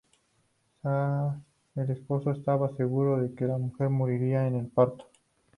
Zal, su esposo, estaba seguro de que su mujer moriría en el parto.